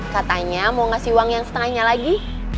katanya mau ngasih uang yang setengahnya lagi